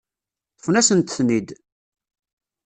Ṭṭfen-asent-ten-id.